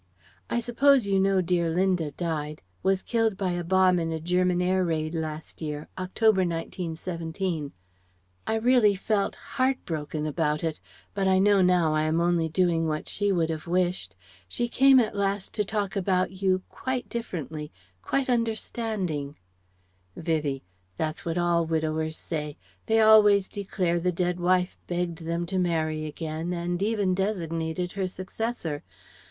I suppose you know dear Linda died was killed by a bomb in a German air raid last year October, 1917. I really felt heart broken about it, but I know now I am only doing what she would have wished. She came at last to talk about you quite differently, quite understanding " Vivie: "That's what all widowers say. They always declare the dead wife begged them to marry again, and even designated her successor.